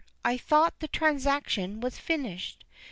I thought the transaction was finished.